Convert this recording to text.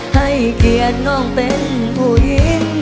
ให้เกียรติน้องเป็นผู้หญิง